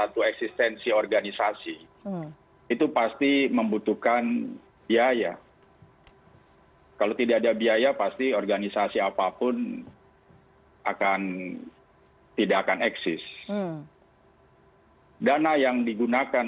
terima kasih pak